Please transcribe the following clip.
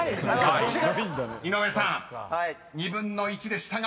［井上さん２分の１でしたが残念］